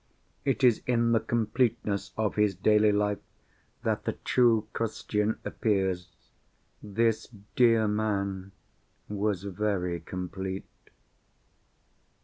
It is in the completeness of his daily life that the true Christian appears. This dear man was very complete.